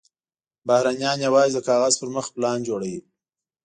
بهرنیان یوازې د کاغذ پر مخ پلان جوړوي.